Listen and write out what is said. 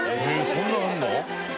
そんなのあるの？